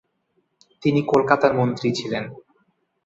তিনি কলকাতার মন্ত্রী ছিলেন।